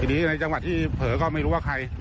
ทีนี้ในจังหวะที่เผลอก็ไม่รู้ว่าใคร